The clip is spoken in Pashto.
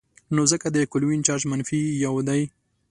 نو ځکه د کلوین چارج منفي یو دی.